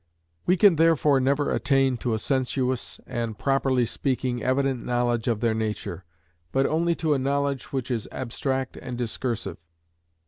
We can therefore never attain to a sensuous and, properly speaking, evident knowledge of their nature, but only to a knowledge which is abstract and discursive.